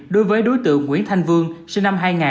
đối với đối tượng nguyễn thanh vương sinh năm hai nghìn